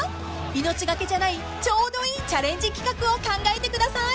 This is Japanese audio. ［命懸けじゃないちょうどいいチャレンジ企画を考えてください］